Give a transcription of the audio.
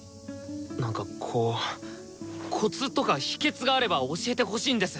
なんかこうコツとか秘けつがあれば教えてほしいんです！